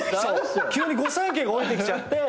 急に御三家がおりてきちゃって。